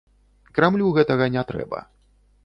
Крамлю гэтага не трэба.